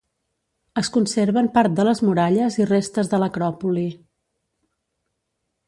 Es conserven part de les muralles i restes de l'acròpoli.